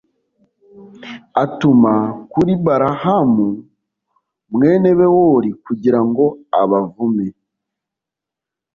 atuma kuri balahamu mwene bewori, kugira ngo abavume